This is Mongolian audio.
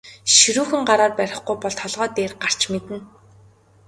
Ширүүхэн гараар барихгүй бол толгой дээр гарч мэднэ.